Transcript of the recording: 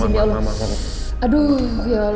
ayo masuk dulu disini ya allah